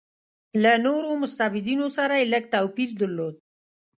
له نورو مستبدینو سره یې لږ توپیر درلود.